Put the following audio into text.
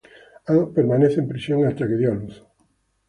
Anne permaneció en prisión hasta que dio a luz.